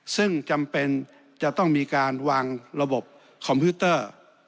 ซึ่งจำเป็นจะต้องมีการวางระบบคอมพิวเตอร์